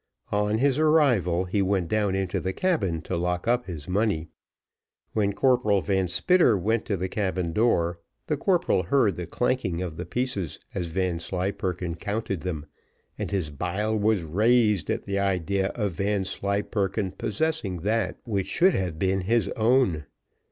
On his arrival, he went down into the cabin to lock up his money. When Corporal Van Spitter went to the cabin door, the corporal heard the clanking of the pieces as Vanslyperken counted them, and his bile was raised at the idea of Vanslyperken possessing that which should have been his own.